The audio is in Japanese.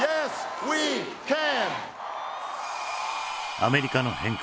アメリカの変化